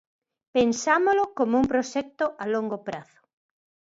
Pensámolo como un proxecto a longo prazo.